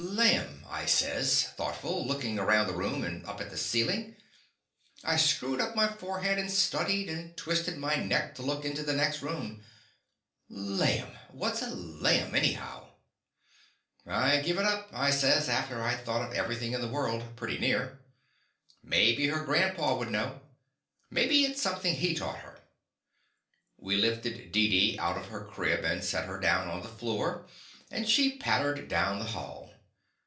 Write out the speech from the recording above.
"Laim!" I says, thoughtful, lookin' around the room and up at the ceilin'. I screwed up my forehead and studied, and twisted my neck to look into the next room. "Laim ! What 's a 'laim,' anyhow"?" "I give it up," I says, after I 'd thought of everything in the world, pretty near. "Mebby her grandpa Would know. Mebby it 's something he taught her." We lifted Deedee out of her crib, and set her down on the floor, and she pattered down the hall.